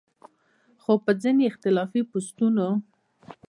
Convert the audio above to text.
خو پۀ ځينې اختلافي پوسټونو